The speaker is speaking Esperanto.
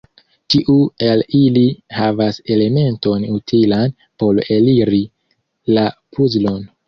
Ĉiu el ili havas elementon utilan por eliri la puzlon.